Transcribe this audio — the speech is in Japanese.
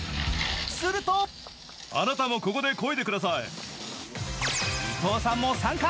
すると伊藤さんも参加。